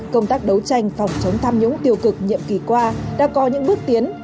công tác đấu tranh phòng chống tham nhũng tiêu cực nhiệm kỳ qua đã có những bước tiến